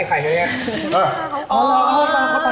อ๋อเขารอข้อมูลไว้ดี